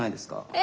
え？